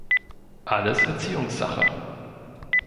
Alles Erziehungssache!